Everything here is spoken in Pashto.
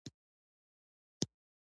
جمعه خان هم تر اوسه پرې شرط نه وي تړلی.